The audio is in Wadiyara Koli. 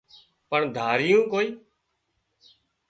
پڻ ڌاريون ڪوئي